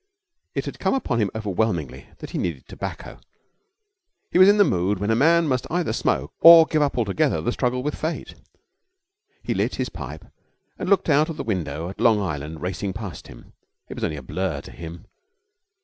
It had come upon him overwhelmingly that he needed tobacco. He was in the mood when a man must either smoke or give up altogether the struggle with Fate. He lit his pipe, and looked out of the window at Long Island racing past him. It was only a blur to him.